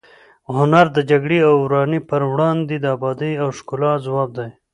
هنر د جګړې او ورانۍ پر وړاندې د ابادۍ او ښکلا ځواب دی.